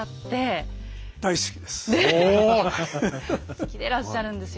好きでらっしゃるんですよ。